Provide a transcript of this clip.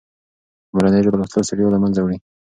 په مورنۍ ژبه لوستل ستړیا له منځه وړي.